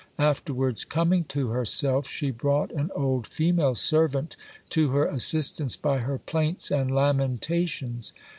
Afterwards, coming to herself, she brought an old female servant to her assistance by her plaints and lamentations.